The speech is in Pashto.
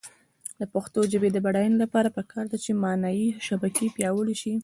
د پښتو ژبې د بډاینې لپاره پکار ده چې معنايي شبکې پیاوړې شي.